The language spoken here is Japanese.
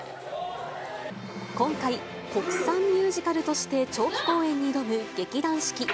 今回、国産ミュージカルとして、長期公演に挑む劇団四季。